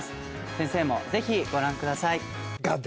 先生もぜひご覧ください。